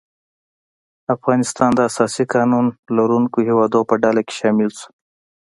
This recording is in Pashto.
افغانستان د اساسي قانون لرونکو هیوادو په ډله کې شامل شو.